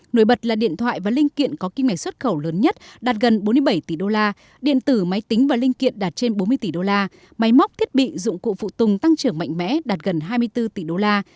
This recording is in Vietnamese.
nổi bật là điện thoại và linh kiện có kim ngạch xuất khẩu lớn nhất đạt gần bốn mươi bảy tỷ đô la điện tử máy tính và linh kiện đạt trên bốn mươi tỷ đô la máy móc thiết bị dụng cụ phụ tùng tăng trưởng mạnh mẽ đạt gần hai mươi bốn tỷ đô la